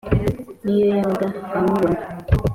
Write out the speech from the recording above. n’iyo yabaga amubona